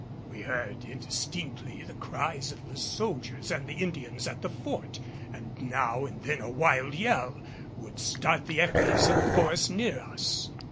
We heard indistinctly the cries of the soldiers and the Indians at the fort, and now and then a wild yell would start the echoes in the forest near us.